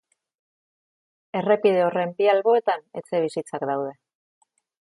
Errepide horren bi alboetan etxebizitzak daude.